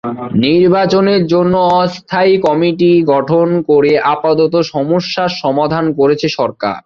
নির্বাচনের জন্য অস্থায়ী কমিটি গঠন করে আপাতত সমস্যার সমাধান করেছে সরকার।